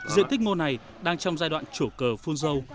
diện tích ngô này đang trong giai đoạn trổ cờ phun dâu